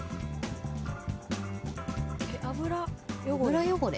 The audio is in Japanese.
油汚れ？